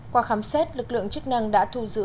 qua khám xét lực lượng chức năng đã thu giữ